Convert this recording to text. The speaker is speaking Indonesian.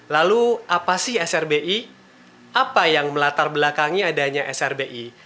lalu apa sih srbi apa yang melatar belakangi adanya srbi